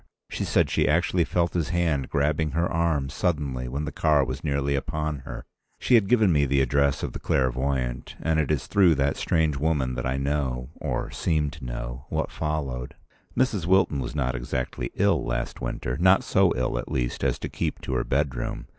She said she actually felt his hand grabbing her arm, suddenly, when the car was nearly upon her. She had given me the address of the clairvoyant; and it is through that strange woman that I know—or seem to know—what followed. Mrs. Wilton was not exactly ill last winter, not so ill, at least, as to keep to her bedroom.